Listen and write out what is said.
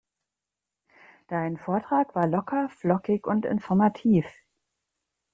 Dein Vortrag war locker, flockig und informativ.